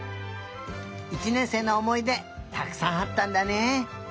１年生のおもいでたくさんあったんだね。